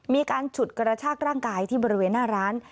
มีการฉุดกระชากร่างกายที่บริเวณหน้าร้าน